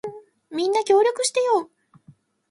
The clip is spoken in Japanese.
みんな、協力してよ。